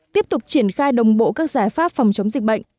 tiếp tục triển khai đồng bộ các giải pháp phòng chống dịch bệnh